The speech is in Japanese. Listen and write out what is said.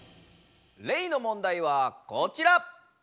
レイの問題はこちら！